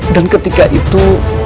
dan ketika itu